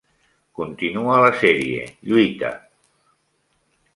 Continua la sèrie, lluita!